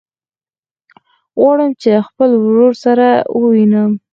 غواړم چې له خپل ورور سره ووينم.